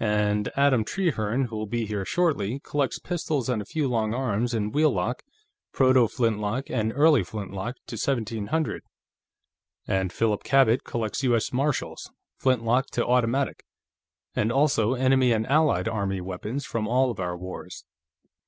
And Adam Trehearne, who'll be here shortly, collects pistols and a few long arms in wheel lock, proto flintlock and early flintlock, to 1700. And Philip Cabot collects U.S. Martials, flintlock to automatic, and also enemy and Allied Army weapons from all our wars.